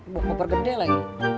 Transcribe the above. bawa koper gede lagi